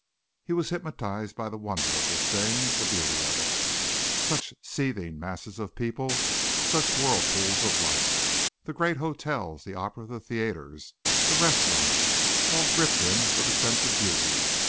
He was hypnotized by the wonder of this thing the beauty of it. Such seething masses of people! such whirlpools of life! The great hotels, the opera, the theatres, the restaurants, all gripped him with a sense of beauty.